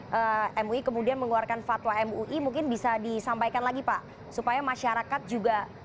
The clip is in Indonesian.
kemudian mui kemudian mengeluarkan fatwa mui mungkin bisa disampaikan lagi pak supaya masyarakat juga